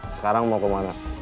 sekarang mau ke mana